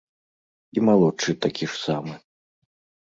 І малодшы такі ж самы.